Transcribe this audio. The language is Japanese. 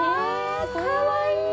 かわいい。